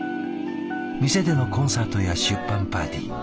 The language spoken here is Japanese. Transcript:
店でのコンサートや出版パーティー